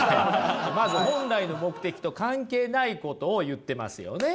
まず本来の目的と関係ないことを言ってますよね？